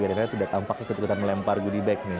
ibu riana sudah tampak ikut ikutan melempar goodie bag nya